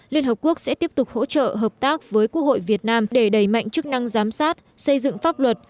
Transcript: liên hợp quốc sẽ tiếp tục hỗ trợ hợp tác với quốc hội việt nam để đẩy mạnh chức năng giám sát xây dựng pháp luật